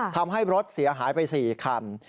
ทำให้รถเสียหายไป๔คัน